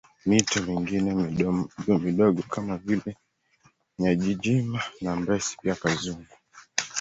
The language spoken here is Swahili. Mito mingine midogomidogo kama vile Nyajijima na Mresi pia Kazingu